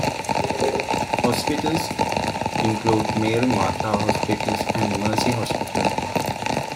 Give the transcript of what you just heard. Hospitals include Mary Matha Hospital and Mercy Hospital.